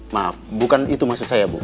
maaf bukan itu maksud saya bu